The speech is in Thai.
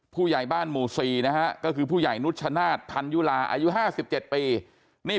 ผู้ใหญ่บ้านหมู่๔นะฮะก็คือผู้ใหญ่นุชชนาธิพันยุลาอายุ๕๗ปีนี่